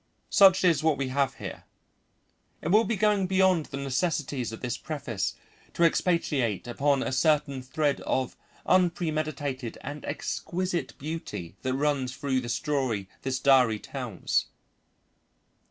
Such is what we have here. It will be going beyond the necessities of this preface to expatiate upon a certain thread of unpremeditated and exquisite beauty that runs through the story this diary tells.